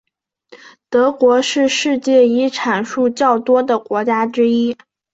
德国是世界遗产数较多的国家之一。